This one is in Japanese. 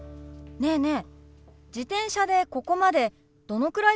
ねえねえ